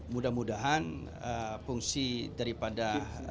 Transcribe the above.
mudah mudahan fungsi daripada